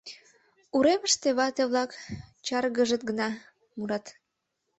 Уремыште вате-влак — чаргыжыт гына! — мурат.